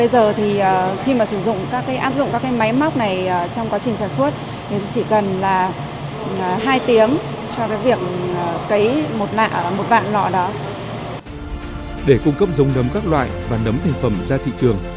để cung cấp giống nấm các loại và nấm thành phẩm ra thị trường